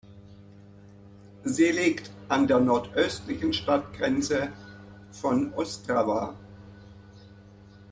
Sie liegt an der nordöstlichen Stadtgrenze von Ostrava.